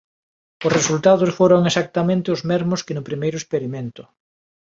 Os resultados foron exactamente os mesmos que no primeiro experimento.